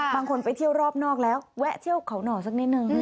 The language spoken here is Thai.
ไปเที่ยวรอบนอกแล้วแวะเที่ยวเขาหน่อสักนิดนึง